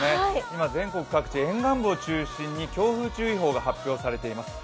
今、全国各地、沿岸部を中心に強風注意報が発表されています。